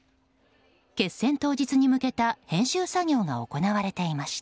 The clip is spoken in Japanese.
決戦当日に向けた編集作業が行われていました。